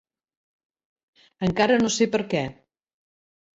Encara no sé per què.